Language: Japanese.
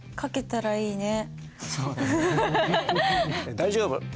大丈夫。